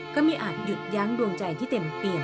ไม่อาจหยุดยั้งดวงใจที่เต็มเปี่ยม